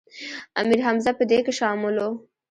امیر حمزه په دې کې شامل و.